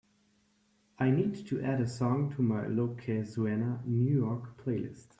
I need to add a song to my lo que suena new york playlist.